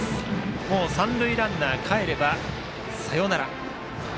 もう三塁ランナーがかえればサヨナラ。